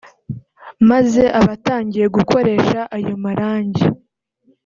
maze abatangiye gukoresha ayo marangi